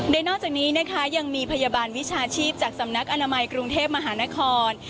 โดยนอกจากนี้นะคะยังมีพยาบาลวิชาชีพจากสำนักอนามัยกรุงเทพมหานคร